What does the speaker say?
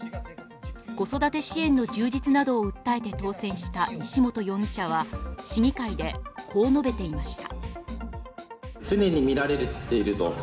子育て支援の充実などを訴えて当選した西本容疑者は市議会で、こう述べていました。